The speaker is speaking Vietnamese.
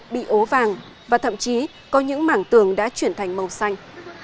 bị ố vàng và thậm chí có những mảng tường đã chuyển thành màu xanh